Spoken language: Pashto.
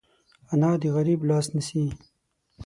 انا د غریب لاس نیسي